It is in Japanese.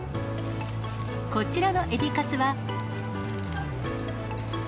こちらの海老カツは。